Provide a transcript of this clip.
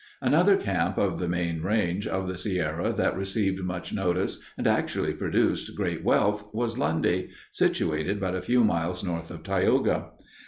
Another camp of the main range of the Sierra that received much notice and actually produced great wealth was Lundy, situated but a few miles north of Tioga.